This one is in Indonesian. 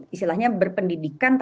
istilahnya berpendidikan tanpa orang tua